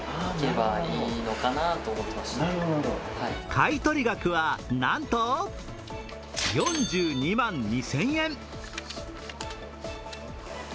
買い取り額は、なんと４２万２０００円。